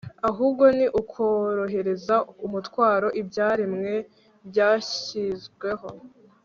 ahubwo ni ukorohereza umutwaro ibyaremwe byashyizweho